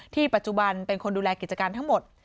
ปัจจุบันเป็นคนดูแลกิจการทั้งหมด